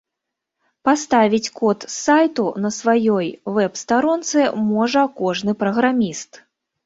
Паставіць код з сайту на сваёй вэб-старонцы можа кожны праграміст.